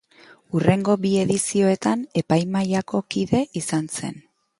Hurrengo bi edizioetan epaimahaiko kide izan zen.